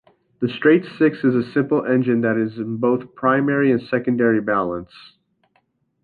The straight-six is a simple engine that is in both primary and secondary balance.